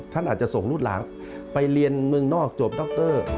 ท่านอาจจะส่งลูกหลานไปเรียนเมืองนอกจบดร